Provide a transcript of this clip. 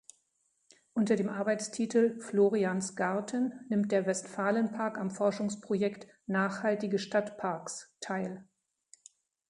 Unter dem Arbeitstitel "Florians Garten" nimmt der Westfalenpark am Forschungsprojekt "Nachhaltige Stadtparks" teil.